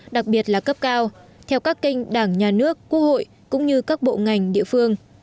đặc biệt là cấp cao theo các kênh đảng nhà nước quốc hội cũng như các bộ ngành địa phương